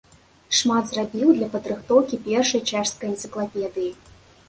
Шмат зрабіў для падрыхтоўкі першай чэшскай энцыклапедыі.